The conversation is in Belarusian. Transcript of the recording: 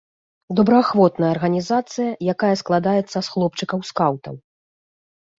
Добраахвотная арганізацыя, якая складаецца з хлопчыкаў-скаўтаў.